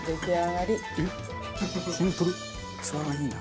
器がいいな。